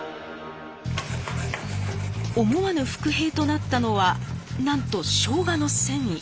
思わぬ伏兵となったのはなんとしょうがの繊維。